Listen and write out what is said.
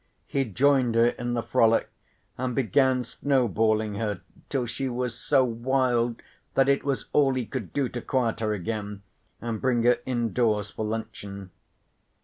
He joined her in the frolic, and began snowballing her till she was so wild that it was all he could do to quiet her again and bring her indoors for luncheon.